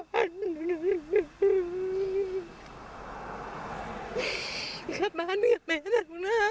กลับบ้านกับแม่แน่นุ่มหน้า